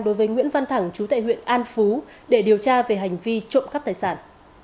đối với nguyễn văn thẳng chú tại huyện an phú để điều tra về hành vi trộm cắp tài sản